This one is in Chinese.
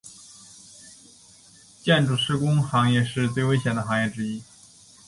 建筑施工行业是最危险的行业之一。